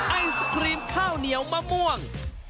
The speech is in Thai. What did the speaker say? ไอศครีมข้าวเหนียวมะม่วง